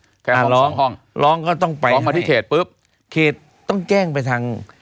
อัลล้อคล้อมาที่เขตปุ๊บห้องก็ต้องไปให้เขตต้องแจ้งผิดไปทาง